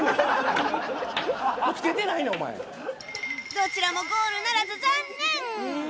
どちらもゴールならず残念